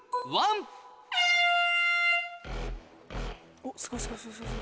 おっすごいすごい。